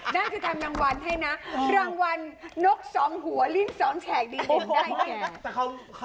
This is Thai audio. น่าจะทำรางวัลให้นะรางวัลนกสองหัวลิ้นสองแฉกดีได้แก่